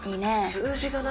数字がな。